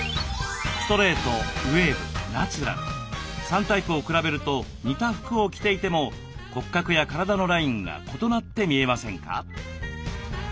３タイプを比べると似た服を着ていても骨格や体のラインが異なって見えませんか？